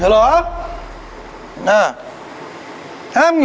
ไม่ต้องกลับมาที่นี่